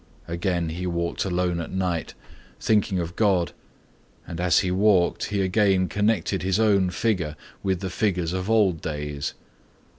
Again he walked alone at night thinking of God and as he walked he again connected his own figure with the figures of old days.